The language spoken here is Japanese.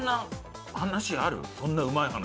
そんなうまい話。